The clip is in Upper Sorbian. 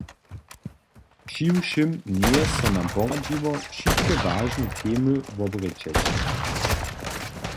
Přiwšěm njeje so nam poradźiło, wšitke wažne temy wobrěčeć.